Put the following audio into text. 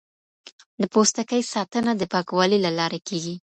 د پوستکي ساتنه د پاکوالي له لارې کیږي.